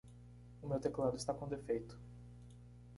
O meu teclado está com defeito.